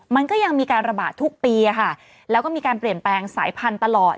มันก็ยังมีการระบาดทุกปีแล้วก็มีการเปลี่ยนแปลงสายพันธุ์ตลอด